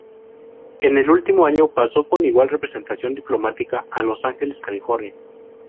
En el último año pasó con igual representación diplomática a Los Ángeles, California.